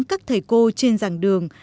các thầy cô trên dàng đường